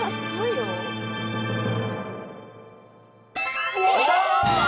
よっしゃ！